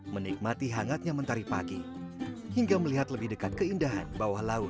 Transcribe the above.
menikmati hangatnya mentari pagi hingga melihat lebih dekat keindahan bawah laut